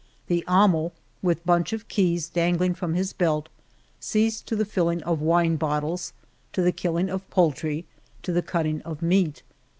The amo, with bunch of keys dangling from his belt, sees to the filling of wine bottles, to the killing of poultry, to the cutting of meat.